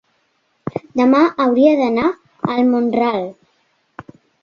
demà hauria d'anar a Mont-ral.